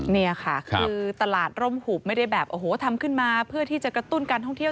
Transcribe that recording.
นี่ค่ะคือตลาดร่มหุบไม่ได้แบบโอ้โหทำขึ้นมาเพื่อที่จะกระตุ้นการท่องเที่ยว